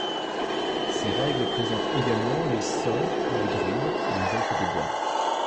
Ces règles présentent également les sorts pour les druides, les Elfes des bois.